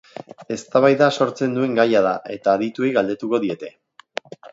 Eztabaida sortzen duen gaia da eta adituei galdetuko diete.